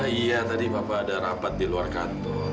ah iya tadi papa ada rapat di luar kantor